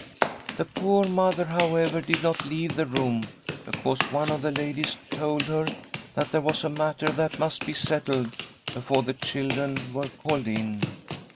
" The poor mother, however, did not leave the room, because one of the ladies told her that there was a matter that must be settled before the children were called in.